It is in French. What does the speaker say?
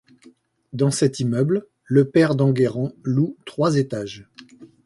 Dans cet immeuble, le père d’Enguerrand loue trois étages.